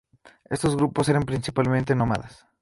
Estos grupos eran principalmente nómadas.